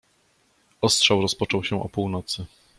Ostrzał rozpoczął się o północy.